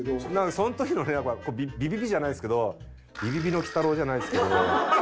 その時のねやっぱりビビビじゃないですけどビビビの鬼太郎じゃないですけど。